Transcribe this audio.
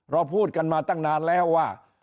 เราพูดกันมาตั้งนานแล้วว่า